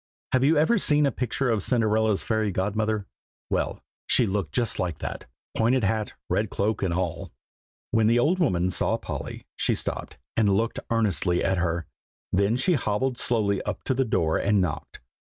Have you ever seen a picture of Cinderella's fairy godmother? well, she looked just like that, pointed hat, red cloak, and all. When the old woman saw Polly, she stopped, and looked earnestly at her; then she hobbled slowly up to the door and knocked.